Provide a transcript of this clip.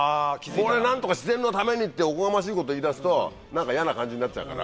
ここで何とか自然のためにっておこがましいこと言い出すと何か嫌な感じになっちゃうから。